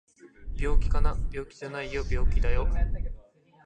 病気かな？病気じゃないよ病気だよ